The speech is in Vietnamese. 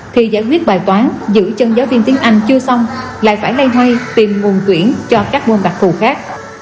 thì giải quyết bài toán giữ chân giáo viên tiếng anh chưa xong lại phải lây hơi tìm nguồn tuyển cho các môn đặc thù khác